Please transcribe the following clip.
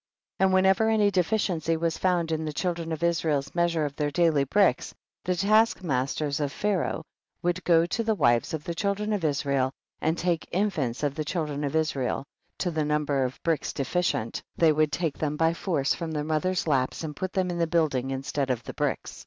16. And whenever any deficiency was found in the children of Israel's measure of their daily bricks, the task masters of Pharaoh would go to the wives of the children of Israel and take infants of the children of Israel to the number of bricks de ficient, they would take them by force from their mother's laps, and put them in the building instead of the bricks ; 17.